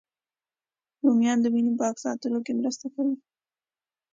رومیان د وینې پاک ساتلو کې مرسته کوي